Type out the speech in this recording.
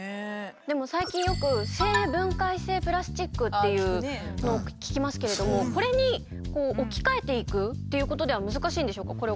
でも最近よく「生分解性プラスチック」というのを聞きますけれどもこれにこう置き換えていくということでは難しいんでしょうか？